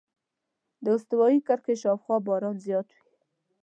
د استوایي کرښې شاوخوا باران زیات وي.